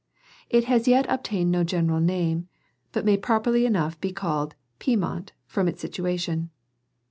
It has yet obtained no general name, but may properly enough be called Piemont, from its situation.